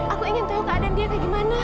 aku ingin tahu keadaan dia kayak gimana